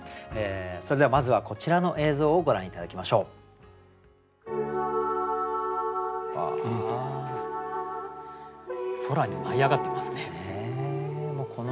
それではまずはこちらの映像をご覧頂きましょう。